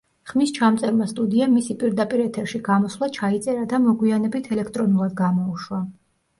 ხმის ჩამწერმა სტუდიამ მისი პირდაპირ ეთერში გამოსვლა ჩაიწერა და მოგვიანებით ელექტრონულად გამოუშვა.